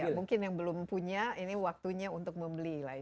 mungkin yang belum punya ini waktunya untuk membeli lah